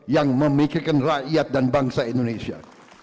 yang memikirkan rakyat dan bangsa indonesia